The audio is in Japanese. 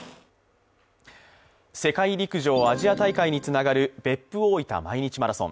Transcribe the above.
世界陸上、アジア大会につながる別府大分毎日マラソン。